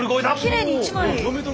きれいに一枚。